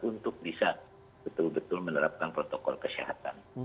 untuk bisa betul betul menerapkan protokol kesehatan